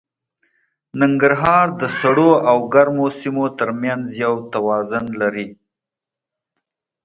ننګرهار د سړو او ګرمو سیمو تر منځ یو توازن لري.